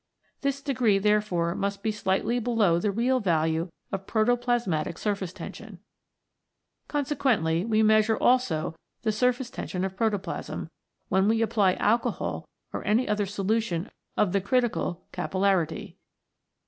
This degree therefore must be slightly below the real value of protoplasmatic surface tension. Consequently w r e measure also the surface tension of protoplasm, when we apply alcohol or any other solution of the critical capillarity.